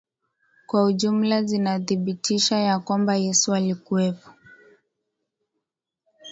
Kwa ujumla zinathibitisha ya kwamba Yesu alikuwepo